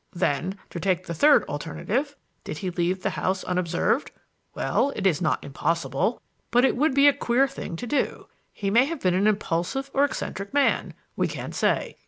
"Then to take the third alternative: Did he leave the house unobserved? Well, it is not impossible, but it would be a queer thing to do. He may have been an impulsive or eccentric man. We can't say.